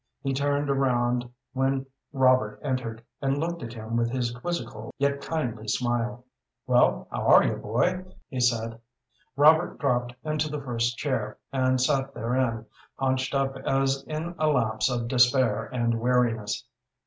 He turned around when Robert entered, and looked at him with his quizzical, yet kindly, smile. "Well, how are you, boy?" he said. Robert dropped into the first chair, and sat therein, haunched up as in a lapse of despair and weariness.